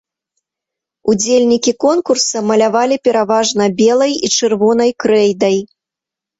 Удзельнікі конкурса малявалі пераважна белай і чырвонай крэйдай.